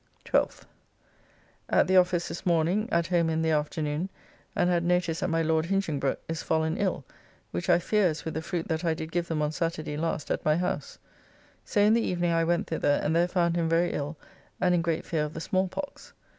12th. At the office this morning. At home in the afternoon, and had notice that my Lord Hinchingbroke is fallen ill, which I fear is with the fruit that I did give them on Saturday last at my house: so in the evening I went thither and there found him very ill, and in great fear of the smallpox.